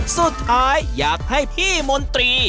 สุดท้ายอยากให้พี่มนตรี